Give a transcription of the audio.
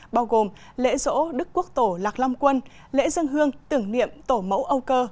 bao gồm lễ dỗ đức quốc tổ lạc lam quân lễ dân hương tưởng niệm tổ mẫu âu cơ